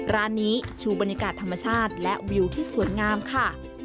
ร้านนี้ชูบรรยากาศธรรมชาติและวิวที่สวยงามค่ะ